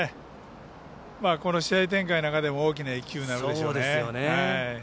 この試合展開の中でも大きな１球になるでしょうね。